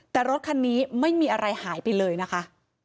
แต่รถคันนี้ไม่มีอะไรหายไปเลยนะคะ